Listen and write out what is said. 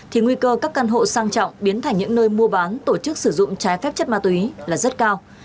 thì nguy cơ các căn hộ sang trọng biến thành những nơi mua bán tổ chức sử dụng trái phép chất ma túy là rất cao